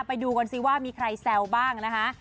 ไปดูกันสิว่ามีใครแซวบ้างนะคะ